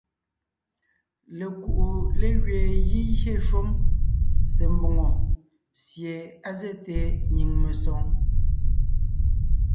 Lekuʼu légẅeen gígyé shúm se mbòŋo sie á zɛ́te nyìŋ mesoŋ.